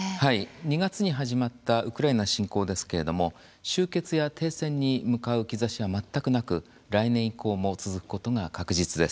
２月に始まったウクライナ侵攻ですけれども終結や停戦に向かう兆しは全くなく、来年以降も続くことが確実です。